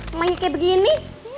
emangnya kayak begini